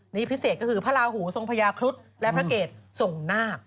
นี่พิเศษก็คือพระราหูทรงพญาครุฑและพระเกตส่งนาค